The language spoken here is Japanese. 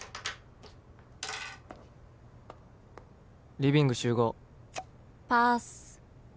「リビング集合」「パス」